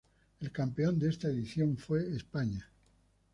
El campeón de esta edición fue España.